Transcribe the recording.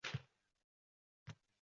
Zuvillab kirib, zuvillab chiqaman